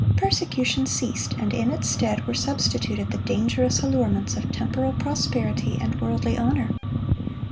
Persecution ceased, and in its stead were substituted the dangerous allurements of temporal prosperity and worldly honor.